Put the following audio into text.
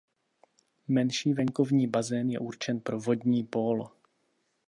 Menší venkovní bazén je určen pro vodní pólo.